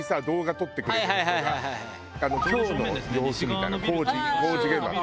今日の様子みたいな工事工事現場の。